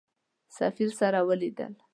سفیر سره ولیدل.